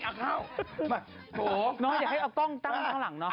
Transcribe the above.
น้อยจะให้เอากล้องตั้งตากลังนะ